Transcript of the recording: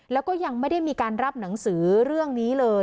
แล้วก็ยังไม่ได้มีการรับหนังสือเรื่องนี้เลย